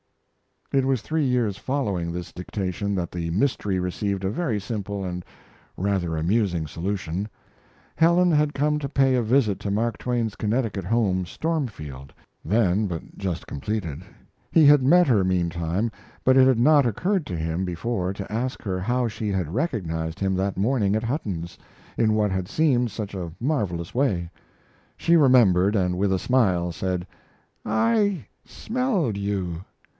It was three years following this dictation that the mystery received a very simple and rather amusing solution. Helen had come to pay a visit to Mark Twain's Connecticut home, Stormfield, then but just completed. He had met her, meantime, but it had not occurred to him before to ask her how she had recognized him that morning at Hutton's, in what had seemed such a marvelous way. She remembered, and with a smile said: "I smelled you."